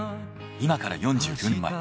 今から４９年前。